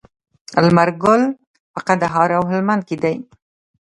لمر ګل په کندهار او هلمند کې دی.